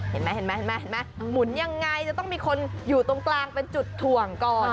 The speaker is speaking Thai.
เห็นไหมเห็นไหมหมุนยังไงจะต้องมีคนอยู่ตรงกลางเป็นจุดถ่วงก่อน